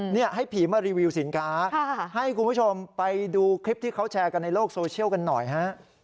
นี่ให้ผีมารีวิวสินค้าให้คุณผู้ชมไปดูคลิปที่เขาแชร์กันในโลกโซเชียลกันหน่อยฮะ